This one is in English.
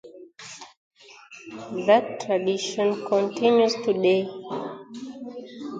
That tradition continues today.